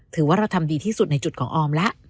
ถือว่าเราทำดีที่สุดในจุดของออมแล้ว